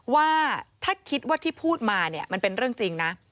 ว่าถ้าคิดว่าที่พูดมาเนี่ยมันเป็นเรื่องจริงนะ